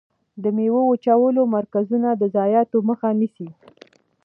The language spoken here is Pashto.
د ميوو وچولو مرکزونه د ضایعاتو مخه نیسي.